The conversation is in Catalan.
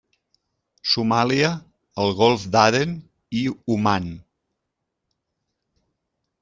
Somàlia, el Golf d'Aden i Oman.